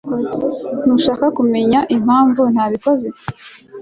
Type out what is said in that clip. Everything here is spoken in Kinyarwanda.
ntushaka kumenya impamvu ntabikoze